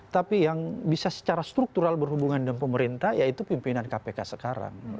tapi yang bisa secara struktural berhubungan dengan pemerintah yaitu pimpinan kpk sekarang